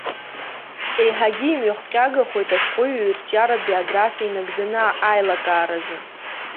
Еиҳагьы имҩахҟьагахоит ашәҟәыҩҩы ирҿиаратә биографиа инагӡаны аилакааразы.